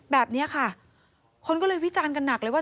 แบบนี้ค่ะคนก็เลยวิจารณ์กันหนักเลยว่า